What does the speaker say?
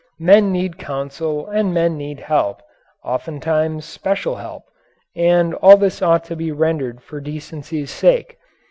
Men need counsel and men need help, oftentimes special help; and all this ought to be rendered for decency's sake.